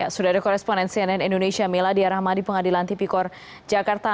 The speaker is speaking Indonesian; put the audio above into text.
sudah ada koresponen cnn indonesia mila diyarahmadi pengadilan tvkor jakarta